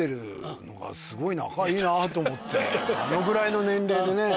あのぐらいの年齢でね。